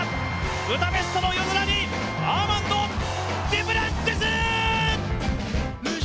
ブダペストの夜空にアーマンド・デュプランティス！